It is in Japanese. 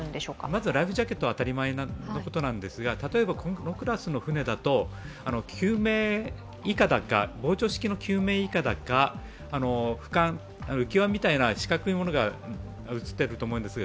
まずは、ライフジャケットは当たり前のことなんですが、例えばこのクラスの船だと膨張式の救命いかだか浮き輪みたいな四角いものが映っていると思うんです。